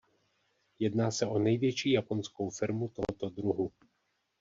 Jedná se o největší japonskou firmu tohoto druhu.